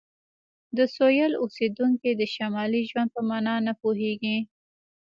د سویل اوسیدونکي د شمالي ژوند په معنی نه پوهیږي